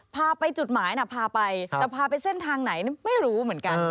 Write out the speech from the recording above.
พาไปจุดหมายนะพาไปแต่พาไปเส้นทางไหนไม่รู้เหมือนกัน